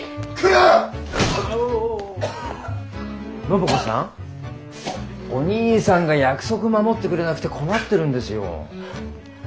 暢子さんお兄さんが約束守ってくれなくて困ってるんですよ。